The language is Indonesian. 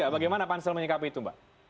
bagaimana pansel menyikapi itu mbak